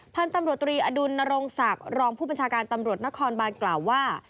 พันธุ์ตำรวจตรีอดุลนรงศักดิ์รองผู้บัญชาการตำรวจนครบานกล่าวว่า